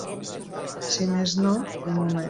Si més no, de moment.